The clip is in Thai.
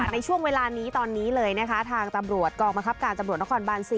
ในช่วงเวลานี้ตอนนี้เลยนะคะทางตำรวจกองบังคับการตำรวจนครบาน๔